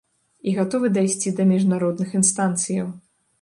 І гатовы дайсці да міжнародных інстанцыяў.